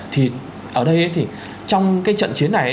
thì ở đây thì trong cái trận chiến này